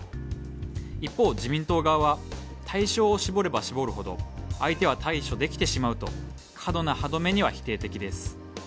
一方、自民党側は対象を絞れば絞るほど相手は対処できてしまうと過度な歯止めには否定的です。